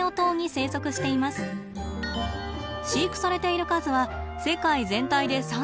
飼育されている数は世界全体で３０頭ほどです。